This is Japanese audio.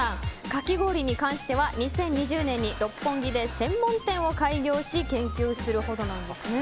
かき氷に関しては２０２０年に六本木で専門店を開業し研究するほどなんですね。